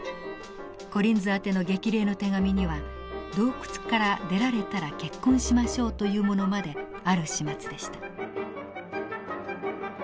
コリンズ宛ての激励の手紙には「洞窟から出られたら結婚しましょう」というものまである始末でした。